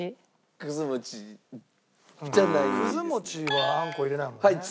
くず餅はあんこ入れないもんね。